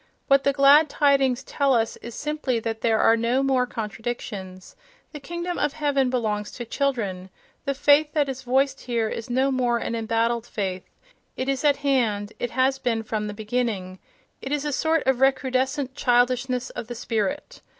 What the "glad tidings" tell us is simply that there are no more contradictions; the kingdom of heaven belongs to children; the faith that is voiced here is no more an embattled faith—it is at hand, it has been from the beginning, it is a sort of recrudescent childishness of the spirit.